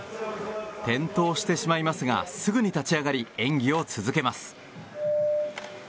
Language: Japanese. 転倒してしまいますがすぐに立ち上がり演技を続けます。